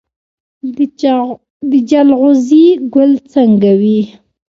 د جلغوزي ګل څنګه وي؟